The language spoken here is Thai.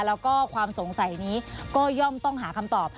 แล้วก็ความสงสัยนี้ก็ย่อมต้องหาคำตอบ